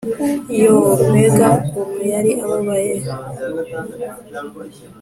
yooo! mbega ukuntu yari ababaye!